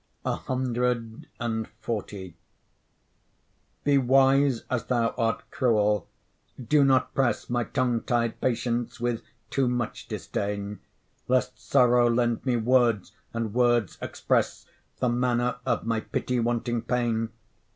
CXL Be wise as thou art cruel; do not press My tongue tied patience with too much disdain; Lest sorrow lend me words, and words express The manner of my pity wanting pain.